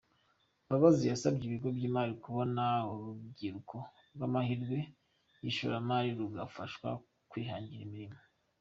Mbabazi yasabye ibigo by’imari kubona urubyiruko nk’amahirwe y’ishoramari rugafashwa kwiangira imirimo.